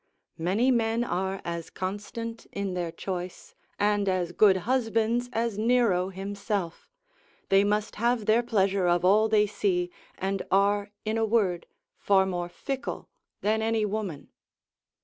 Many men are as constant in their choice, and as good husbands as Nero himself, they must have their pleasure of all they see, and are in a word far more fickle than any woman.